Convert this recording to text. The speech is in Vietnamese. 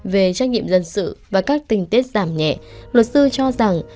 về trách nhiệm dân sự và các tình tiết giảm nhẹ luật sư cho rằng